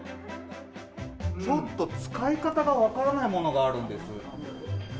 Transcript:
ちょっと使い方が分からないものがあるんです。